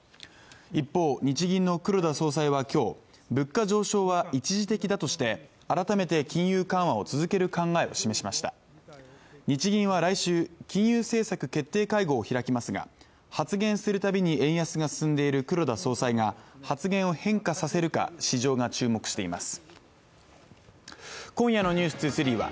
一方日銀の黒田総裁はきょう物価上昇は一時的だとして改めて金融緩和を続ける考えを示しました日銀は来週金融政策決定会合を開きますが発言するたびに円安が進んでいる黒田総裁が発言を変化させるか市場が注目しています